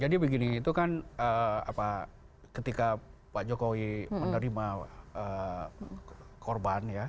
jadi begini itu kan ketika pak jokowi menerima korban ya